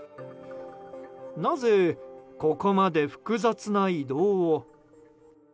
なぜ、ここまで複雑な移動を？